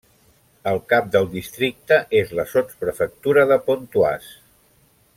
El cap del districte és la sotsprefectura de Pontoise.